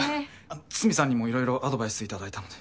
筒見さんにもいろいろアドバイスいただいたので。